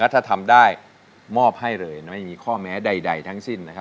ถ้าทำได้มอบให้เลยไม่มีข้อแม้ใดทั้งสิ้น